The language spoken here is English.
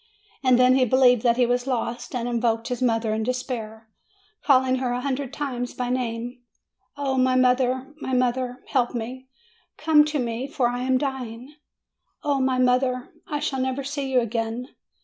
And then he believed that he was lost, and invoked his mother in despair, calling her a hundred times by name: "O my mother! my mother! Help me! Come to me, for I am dying! Oh, my poor mother, I shall never see you again!